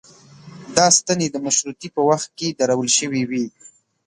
دا ستنې د مشروطې په وخت کې درول شوې وې.